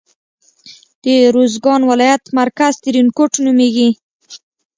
د روزګان ولایت مرکز ترینکوټ نومیږي.